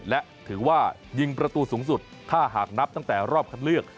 และถือว่ายิงประตูสูงสุดถ้าหากนับตั้งแต่รอบคัดเลือก